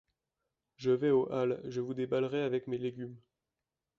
Je vais aux Halles, je vous déballerai avec mes légumes.